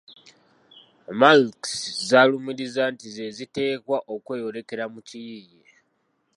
Malx z’alumiriza nti ze ziteekwa okweyolekera mu kiyiiye.